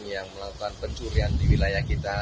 yang melakukan pencurian di wilayah kita